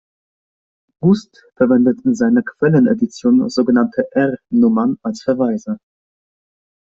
Gust verwendet in seiner Quellenedition sogenannte „R“-Nummern als Verweise.